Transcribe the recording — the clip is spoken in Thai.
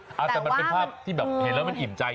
แต่ว่าแต่มันเป็นภาพที่เห็นแล้วมันอิ่มใจ